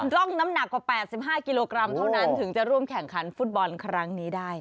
ร่องน้ำหนักกว่า๘๕กิโลกรัมเท่านั้นถึงจะร่วมแข่งขันฟุตบอลครั้งนี้ได้